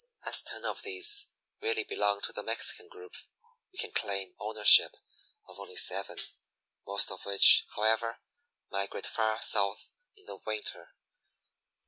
As ten of these really belong to the Mexican group, we can claim ownership of only seven, most of which, however, migrate far south in winter.